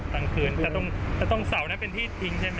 ต่างคืนแต่ตรงเสานั้นเป็นที่ทิ้งใช่ไหม